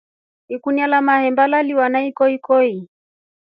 Ikunia la mahemba laliwa na ikokoi.